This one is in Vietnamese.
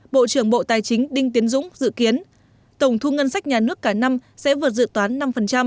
bộ trưởng bộ tài chính đinh tiến dũng dự kiến tổng thu ngân sách nhà nước cả năm sẽ vượt dự toán năm